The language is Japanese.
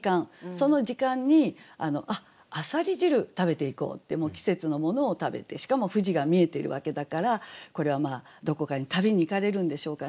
その時間に「あっ浅蜊汁食べていこう」って季節のものを食べてしかも富士が見えているわけだからこれはどこかに旅に行かれるんでしょうかね。